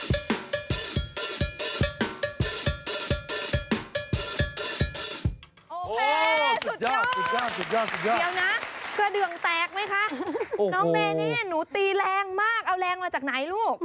น้องเบเน่หนูตีแรงมากเอาแรงมาจากไหนลูก